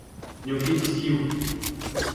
N'eo ket disliv.